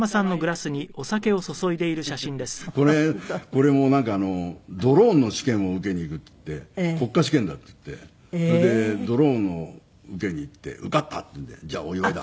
これもなんかあのドローンの試験を受けに行くっていって国家試験だっていってそれでドローンを受けに行って受かったっていうんで「じゃあお祝いだ」。